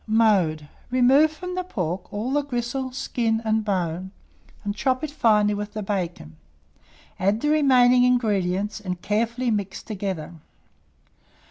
Mode. Remove from the pork all skin, gristle, and bone, and chop it finely with the bacon; add the remaining ingredients, and carefully mix altogether.